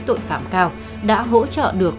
tội phạm cao đã hỗ trợ được